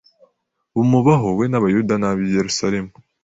bumubaho we n Abayuda n ab i Yerusalemu